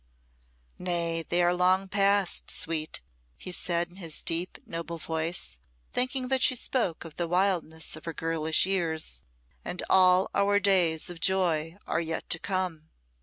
"Nay, they are long passed, sweet," he said, in his deep, noble voice, thinking that she spoke of the wildness of her girlish years "and all our days of joy are yet to come."